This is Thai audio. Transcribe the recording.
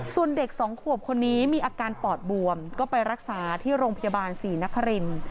ส่วนเด็กสองขวบคนนี้มีอาการปอดบวมก็ไปรักษาที่โรงพยาบาลศรีนคริน